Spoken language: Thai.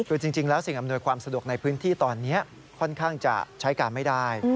คือจริงแล้วสิ่งอำนวยความสะดวกในพื้นที่ตอนนี้ค่อนข้างจะใช้การไม่ได้